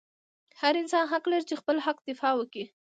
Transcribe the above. هر انسان حق لري چې خپل حق دفاع وکي